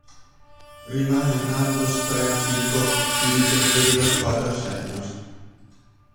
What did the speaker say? Rimane Nando Spreafico, dirigente della squadra senior.